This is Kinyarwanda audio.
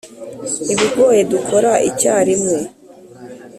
ibigoye dukora icyarimwe,